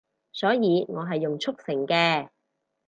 所以我係用速成嘅